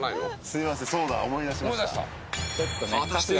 すいませんそうだ思い出しました思い出した？